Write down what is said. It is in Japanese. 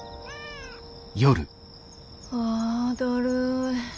あだるい。